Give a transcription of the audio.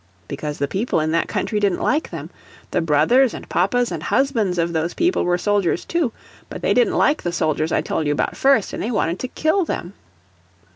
"Because the people in that country didn't like them; the brothers and papas and husbands of those people were soldiers, too; but they didn't like the soldiers I told you about first, and they wanted to kill them."